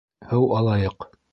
Һыу алайыҡ...